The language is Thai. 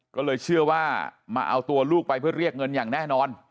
ก็เลยเชื่อว่ามาเอาตัวลูกไปเพื่อเรียกเงินอย่างแน่นอน